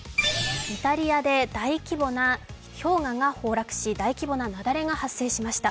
イタリアで大規模な氷河が崩落し大規模な雪崩が発生しました。